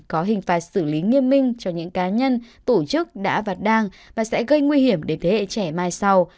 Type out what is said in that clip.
có hình phạt xử lý nghiêm minh cho những cá nhân tổ chức đã vặt đàng và sẽ gây nguy hiểm để thế hệ trẻ mai sau